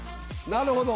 なるほど。